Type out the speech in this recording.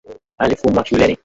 Alifumwa shuleni.